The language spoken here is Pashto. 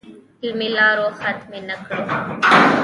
علمي لارو ختمې نه کړو.